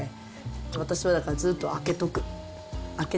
私はだからずっと開けとく。